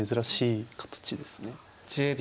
１０秒。